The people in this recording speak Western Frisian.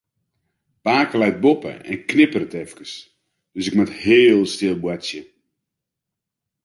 Pake leit boppe en knipperet efkes, dus ik moat heel stil boartsje.